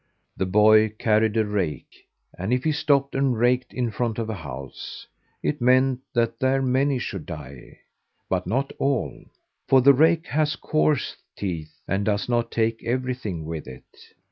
The boy carried a rake, and if he stopped and raked in front of a house, it meant that there many should die, but not all; for the rake has coarse teeth and does not take everything with it.